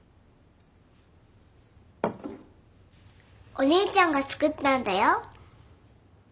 お姉ちゃんが作ったんだよ。